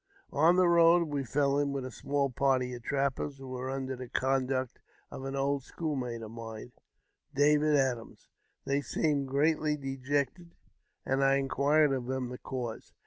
On the road we fell in with a small party trap]Ders, who were under the conduct of an old schoolmate mine, David Adams. They seemed greatly dejected, and inquired of them the cause.